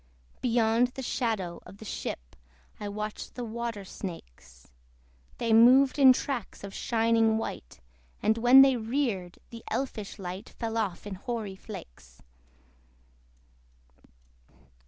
Beyond the shadow of the ship, I watched the water snakes: They moved in tracks of shining white, And when they reared, the elfish light Fell off in hoary flakes.